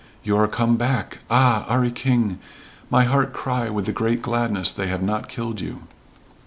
You are come back. Ah, 'Arry King, my heart cry with the great gladness they have not killed you."